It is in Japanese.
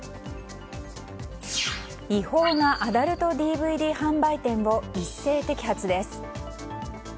違法なアダルトＤＶＤ販売店を一斉摘発です。